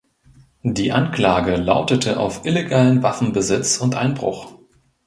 Die Anklage lautete auf illegalen Waffenbesitz und Einbruch.